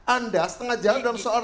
anda setengah jalan dalam soal